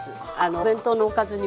お弁当のおかずにも。